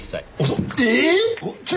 遅っ！